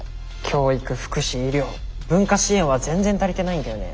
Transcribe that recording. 教育福祉医療文化支援は全然足りてないんだよね。